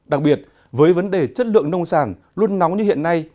đặc biệt với vấn đề chất lượng nông sản luôn nóng như hiện nay